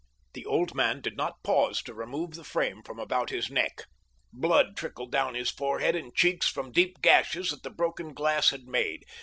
The old man did not pause to remove the frame from about his neck. Blood trickled down his forehead and cheeks from deep gashes that the broken glass had made.